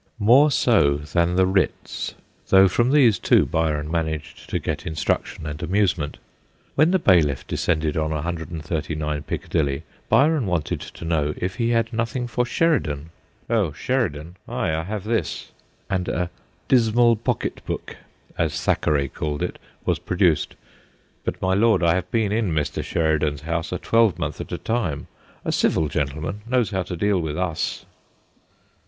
More so than the writs, though from these too Byron managed to get instruction and amusement. When the bailiff descended on 139 Piccadilly Byron wanted to know if he had nothing for Sheridan. ' Oh, Sheridan ? Ay, I have this,' and a ' dismal pocket book/ as Thackeray called it, was produced. ' But, my Lord, I have been in Mr. Sheri dan's house a twelvemonth at a time ; a civil gentleman knows how to deal with us.'